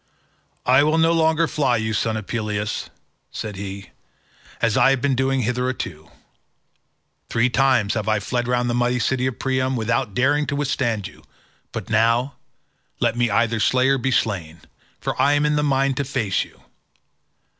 "I will no longer fly you, son of Peleus," said he, "as I have been doing hitherto. Three times have I fled round the mighty city of Priam, without daring to withstand you, but now, let me either slay or be slain, for I am in the mind to face you.